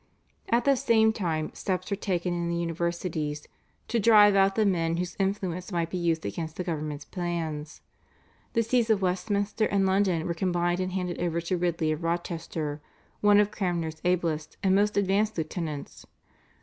At the same time steps were taken in the universities to drive out the men whose influence might be used against the government's plans. The Sees of Westminster and London were combined and handed over to Ridley of Rochester, one of Cranmer's ablest and most advanced lieutenants.